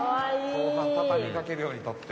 後半畳み掛けるように撮って。